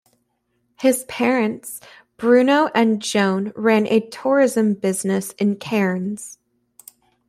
His parents, Bruno and Joan, ran a tourism business in Cairns.